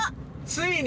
ついに？